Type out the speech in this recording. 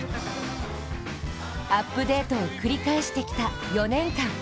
アップデートを繰り返してきた４年間。